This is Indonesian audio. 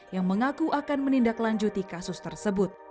yang mengaku akan menindaklanjuti kasus tersebut